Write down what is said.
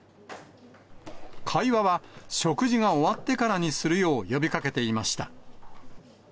会話は食事が終わってからにするよう呼びかけていました。